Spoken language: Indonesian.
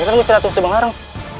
itu gostiratu subanglarang